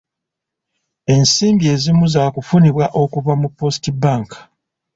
Ensimbi ezimu zaakufunibwa okuva mu Post Bank.